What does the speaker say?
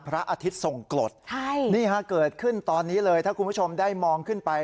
พระอาทิตย์ทรงกรดใช่นี่ฮะเกิดขึ้นตอนนี้เลยถ้าคุณผู้ชมได้มองขึ้นไป